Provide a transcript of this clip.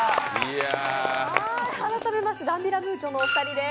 改めましてダンビラムーチョのお二人です。